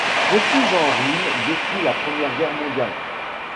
Refuge en ruine depuis la Première Guerre mondiale.